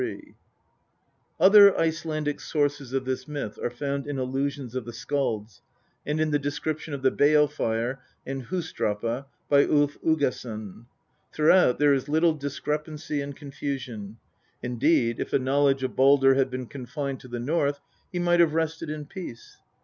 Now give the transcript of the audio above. Other Icelandic sources of this myth are found in allusions of the skalds, and in the description of the bale fire in Hus drapa by Ulf Uggason. Throughout there is little discrepancy and confusion ; indeed, if a knowledge of Baldr had been confined to the North, he might have rested in peace.